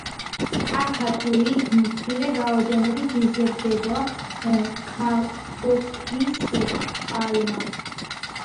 აქა თუ იქ მცირე რაოდენობით იზრდება ქოქოსის პალმა.